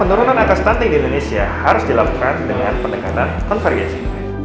karena penurunan angka stunting di indonesia harus dilakukan dengan pendekatan konvergesi